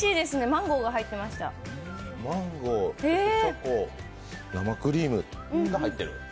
マンゴー、チョコ、生クリームが入っている。